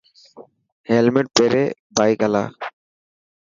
هيلمٽ پيري بائڪ هلاءِ.